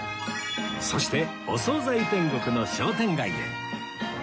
そしてお総菜天国の商店街へ